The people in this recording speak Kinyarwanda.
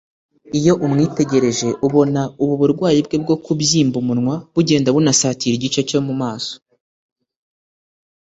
Iyo umwitegereje ubona ubu burwayi bwe bwo kubyimba umunwa bugenda bunasatira igice cyo mu maso